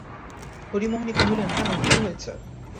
হরিমোহিনী কহিলেন, কেন, কী হয়েছে?